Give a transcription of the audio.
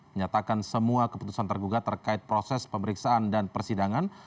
menyatakan semua keputusan tergugat terkait proses pemeriksaan dan persidangan